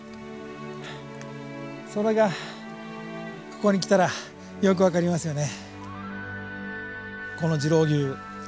それがここに来たらよく分かりますよね。